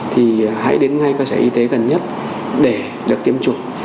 thì hãy đến ngay costshare y tế gần nhất để được tiêm chủng